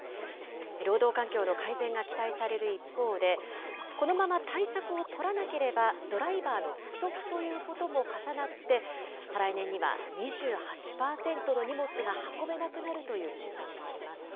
労働環境の改善が期待される一方で、このまま対策を取らなければドライバーの不足ということも重なって、再来年には２８％の荷物が運べなくなるという試算もあります。